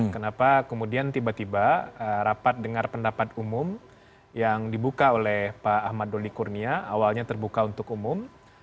kenapa kemudian tiba tiba rapat dengar pendapat umum yang dibuka oleh pak ahmad doli kurnia awalnya terbuka untuk umum